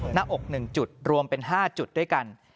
หน้าอก๑จุดรวมเป็น๕จุดด้วยกัน